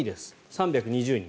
３２０人。